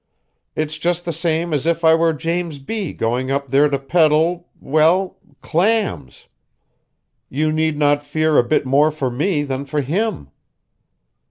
It's just the same as if I were James B. going up there to peddle well clams! You need not fear a bit more for me than for him."